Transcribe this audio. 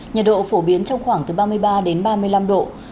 nhiệt độ phổ biến trong khoảng từ ba mươi ba đến ba mươi năm độ